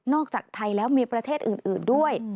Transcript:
จากไทยแล้วมีประเทศอื่นด้วย